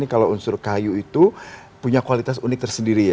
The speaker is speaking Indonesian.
kalau unsur kayu itu punya kualitas unik tersendiri ya